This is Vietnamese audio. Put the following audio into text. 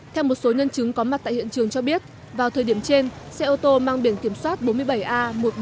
theo một số nhân chứng có mặt tại hiện trường cho biết vào thời điểm trên xe ô tô mang biển kiểm soát bốn mươi bảy a một mươi bốn nghìn ba trăm linh bảy